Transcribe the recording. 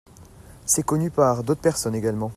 C'est connu par d'autres personnes également.